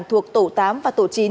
thuộc tổ tám và tổ chín